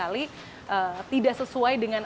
itu tidak sesuai dengan